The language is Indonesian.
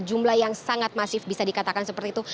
jumlah yang sangat masif bisa dikatakan seperti itu